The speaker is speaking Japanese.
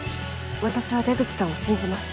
私は出口さんを信じます。